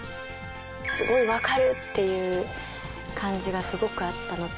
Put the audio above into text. すごいわかるっていう感じがすごくあったのと。